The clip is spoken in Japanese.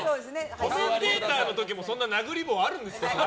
コメンテーターの時もそんな殴り棒あるんですか？